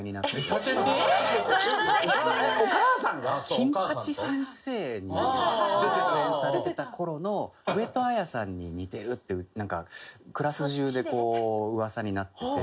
『金八先生』に出演されてた頃の上戸彩さんに似てるってなんかクラス中で噂になってて。